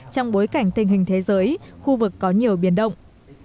trong bối cảnh tình hình thế giới khu vực có nhiều biển động